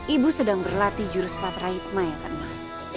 ibu sedang berlatih jurus patraikma yang pernah